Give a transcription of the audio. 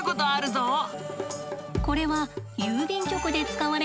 これはあ。